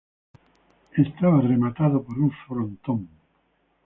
Estaba rematado por un frontón.